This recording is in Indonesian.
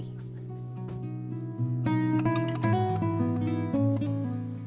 masa masa hidup mandiri